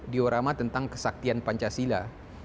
diorama tentang kesaktian pancasila